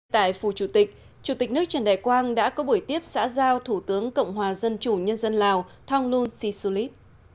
tại phủ chủ tịch chủ tịch nước trần đại quang đã có buổi tiếp xã giao thủ tướng cộng hòa dân chủ nhân dân lào thonglun sisulit